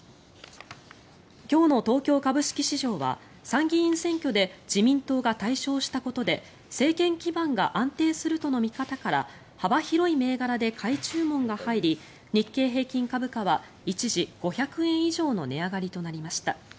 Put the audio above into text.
今日の東京株式市場は参議院選挙で自民党が大勝したことで政権基盤が安定するとの見方から幅広い銘柄で買い注文が入り日経平均株価は一時、５００円以上の値上がりとなりました。